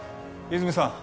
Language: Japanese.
泉さん